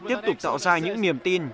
tiếp tục tạo ra những niềm tin